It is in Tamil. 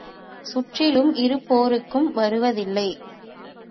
சுற்றிலும் இருப்போருக்கும் வருவதில்லை.